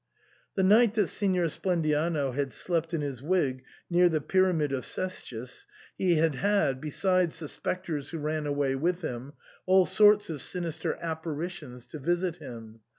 The night that Signor Splendiano had slept in his wig near the Pyramid of Cestius he had had, besides the spectres who ran away with him, all sorts of sinister apparitions to visit him.